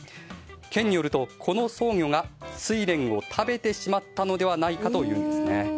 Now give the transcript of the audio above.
県によるとソウギョがスイレンを食べてしまったのではないかというんです。